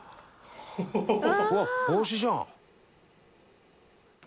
「うわっ帽子じゃん！」